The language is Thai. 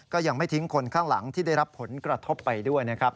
ก็ยังไม่ทิ้งคนข้างหลังที่ได้รับผลกระทบไปด้วยนะครับ